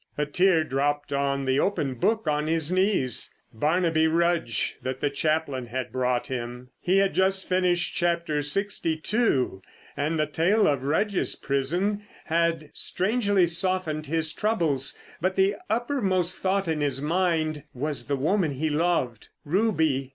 A tear dropped on the open book on his knees—"Barnaby Rudge"—that the chaplain had brought him. He had just finished chapter sixty two, and the tale of Rudge's prison had strangely softened his troubles. But the uppermost thought in his mind was the woman he loved! Ruby!